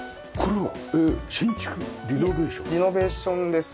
リノベーションです。